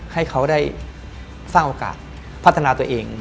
ให้เขาได้สร้างโอกาสพัฒนาตัวเอง